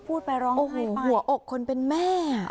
ไปร้องโอ้โหหัวอกคนเป็นแม่